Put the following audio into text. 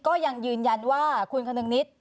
ก็ยังยืนยันว่าคุณคนึงนิด